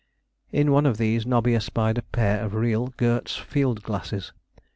In one of these Nobby espied a pair of real Goerz field glasses.